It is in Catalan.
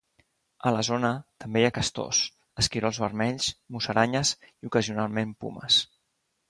A la zona també hi ha castors, esquirols vermells, musaranyes i ocasionalment pumes.